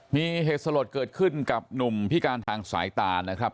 มีเหตุสลดเกิดขึ้นกับหนุ่มพิการทางสายตานะครับ